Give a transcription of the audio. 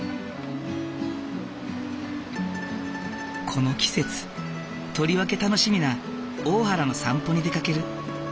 この季節とりわけ楽しみな大原の散歩に出かける。